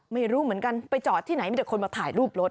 ไม่รู้เหมือนกันไปจอดที่ไหนมีแต่คนมาถ่ายรูปรถ